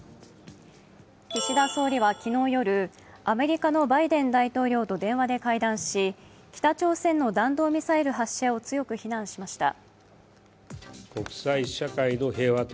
岸田総理は昨日夜、アメリカのバイデン大統領と電話で会談し電話で会談し、北朝鮮の弾道ミサイル発射を強く非難しました。